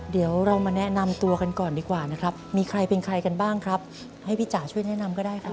เดี๋ยวเรามาแนะนำตัวกันก่อนดีกว่านะครับมีใครเป็นใครกันบ้างครับให้พี่จ๋าช่วยแนะนำก็ได้ครับ